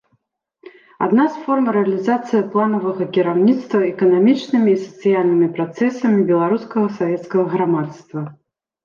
Адна з форм рэалізацыі планавага кіраўніцтва эканамічнымі і сацыяльнымі працэсамі беларускага савецкага грамадства.